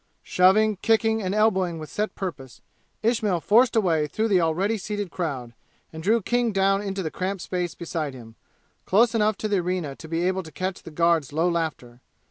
Shoving, kicking and elbowing with set purpose, Ismail forced a way through the already seated crowd, and drew King down into the cramped space beside him, close enough to the arena to be able to catch the guards' low laughter.